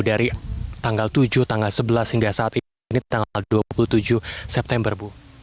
dari tanggal tujuh tanggal sebelas hingga saat ini tanggal dua puluh tujuh september bu